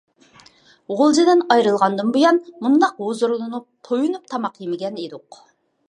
غۇلجىدىن ئايرىلغاندىن بۇيان، مۇنداق ھۇزۇرلىنىپ، تويۇنۇپ تاماق يېمىگەن ئىدۇق.